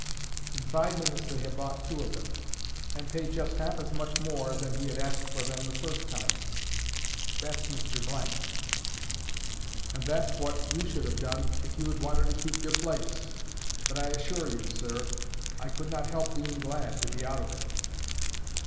In five minutes they had bought two of them, and paid just half as much more than he had asked for them the first time. That's Mr— ! and that's what you should have done if you had wanted to keep your place.'—But I assure you, sir, I could not help being glad to be out of it."